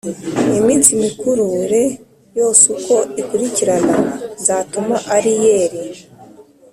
Iminsi mikuru r yose uko ikurikirana nzatuma ariyeli